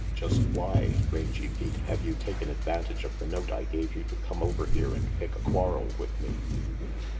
Just why, Rangy Pete, have you taken advantage of the note I gave you to come over here and pick a quarrel with me?"